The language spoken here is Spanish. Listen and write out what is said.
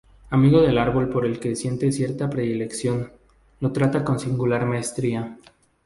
Amigo del árbol por el que siente cierta predilección, lo trata con singular maestría.